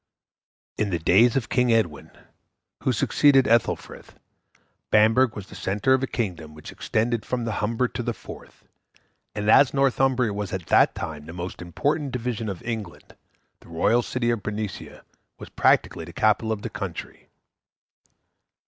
In the days of King Edwin, who succeeded Ethelfrith, Bamburgh was the centre of a kingdom which extended from the Humber to the Forth, and as Northumbria was at that time the most important division of England, the royal city of Bernicia was practically the capital of the country.